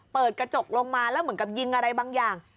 เปิดกระจกลงมาแล้วเหมือนกับยิงอะไรบางอย่าง